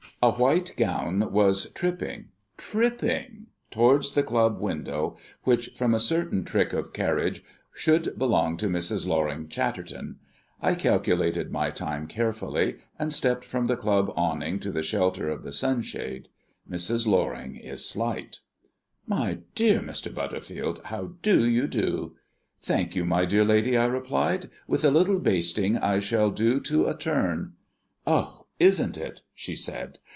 A white gown was tripping tripping! towards the club window, which, from a certain trick of carriage, should belong to Mrs. Loring Chatterton. I calculated my time carefully, and stepped from the club awning to the shelter of the sunshade. Mrs. Loring is slight. "My dear Mr. Butterfield, how do you do?" "Thank you, my dear lady," I replied; "with a little basting I shall do to a turn." "Oh! isn't it?" she said.